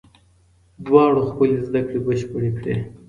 دواړو خپلې زده کړې بشپړې کړې.